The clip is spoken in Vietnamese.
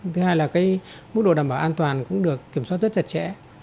thứ hai là mức độ đảm bảo an toàn cũng được kiểm soát rất chặt chẽ